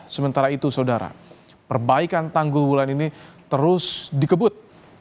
sementara itu saudara perbaikan tanggul bulan ini terus dikebut